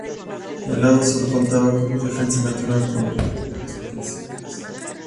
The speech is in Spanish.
El lado sur contaba como defensa natural con unos precipicios.